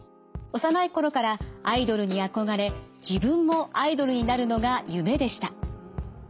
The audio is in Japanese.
幼い頃からアイドルにあこがれ自分もアイドルになるのが夢でした。